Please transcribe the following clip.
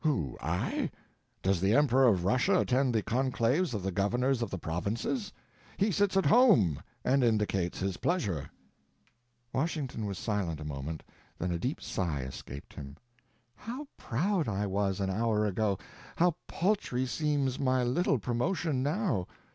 "Who, I? Does the Emperor of Russia attend the conclaves of the governors of the provinces? He sits at home, and indicates his pleasure." Washington was silent a moment, then a deep sigh escaped him. "How proud I was an hour ago; how paltry seems my little promotion now!